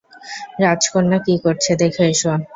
রাজকন্যা কি করছে দেখে এসো।